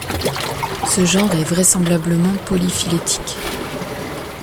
Ce genre est vraisemblablement polyphylétique.